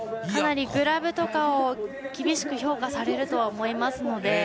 かなりグラブとかが厳しく評価されると思いますので。